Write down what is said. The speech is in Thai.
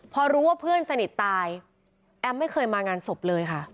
พอรู้ว่าเพื่อนสนิทตายแอมไม่เคยมางานศพเลยค่ะ